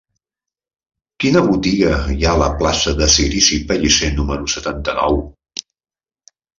Quina botiga hi ha a la plaça de Cirici Pellicer número setanta-nou?